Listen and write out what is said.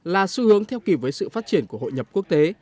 là xu hướng theo kỳ với sự phát triển của hội nhập quốc tế